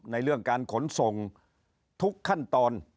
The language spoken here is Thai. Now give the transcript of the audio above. ในเรื่องการขนส่งทุกขั้นตอน